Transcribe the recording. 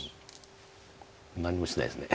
何もしないです。